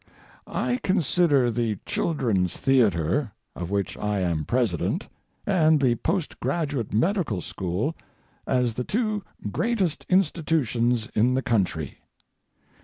I consider the Children's Theatre, of which I am president, and the Post Graduate Medical School as the two greatest institutions in the country.